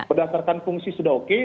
berdasarkan fungsi sudah oke